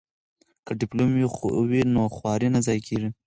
که ډیپلوم وي نو خواري نه ضایع کیږي.